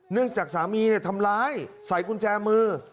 จากสามีทำร้ายใส่กุญแจมือ